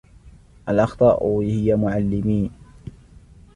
الأخطاء هي معلمين.